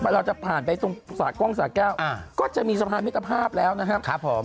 เราจะผ่านไปตรงสระกล้องสาแก้วก็จะมีสะพานมิตรภาพแล้วนะครับผม